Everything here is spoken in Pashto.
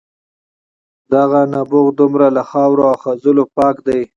دغه نبوغ دومره له خاورو او خځلو پاک دی.